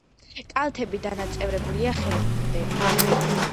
კალთები დანაწევრებულია ხევებით.